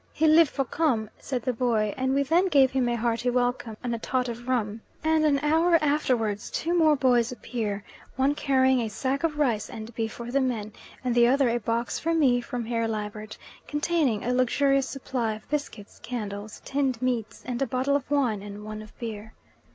"He live for come," said the boy, and we then gave him a hearty welcome and a tot of rum, and an hour afterwards two more boys appear, one carrying a sack of rice and beef for the men, and the other a box for me from Herr Liebert, containing a luxurious supply of biscuits, candles, tinned meats, and a bottle of wine and one of beer.